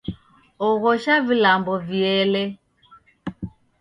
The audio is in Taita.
Oghosha vilambo viele